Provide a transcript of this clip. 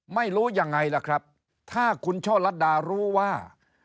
ไม่รู้ยังไงล่ะครับถ้าคุณช่อลัดดารู้ว่า